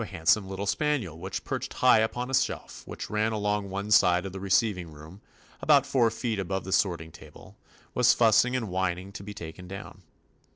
t in TOMMY POSTOFFICE handsome little spaniel which, perched high upon a shelf which ran along one side of the receiving room, about four feet above the sorting ta ble, was fussing and whining to be taken down.